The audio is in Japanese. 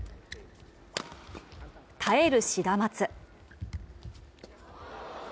耐えるシダマツ。